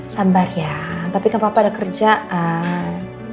sabar ya tapi kan papa ada kerjaan